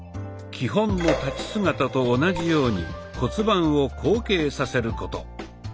基本の立ち姿と同じように骨盤を後傾させること。